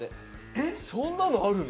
そんなのあるの？